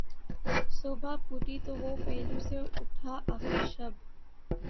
صبح پھوٹی تو وہ پہلو سے اٹھا آخر شب